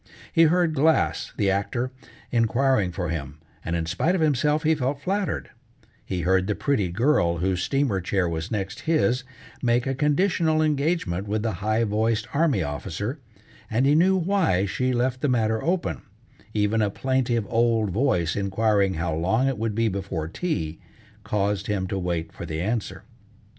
He heard Glass, the actor, inquiring for him, and in spite of himself he felt flattered; he heard the pretty girl whose steamer chair was next his, make a conditional engagement with the high voiced army officer, and he knew why she left the matter open; even a plaintive old voice inquiring how long it would be before tea, caused him to wait for the answer.